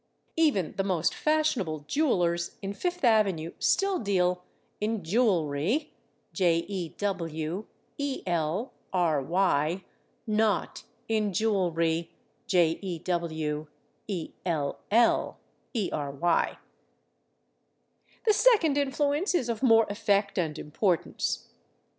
Even the most fashionable jewelers in Fifth avenue still deal in /jewelry/, not in /jewellery/. The second influence is of more effect and importance.